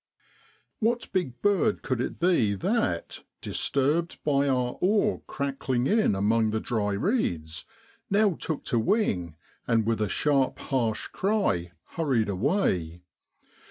What big bird could it be that, disturbed by our oar crackling in among the dry reeds, now took to wing, and with a sharp harsh cry hurried away